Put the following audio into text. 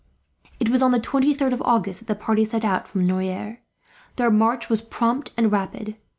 It was on the 23d of August that the party set out from Noyers. Their march was prompt and rapid.